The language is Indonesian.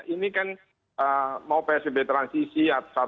ini kan mau psbb transisi satu dua tiga empat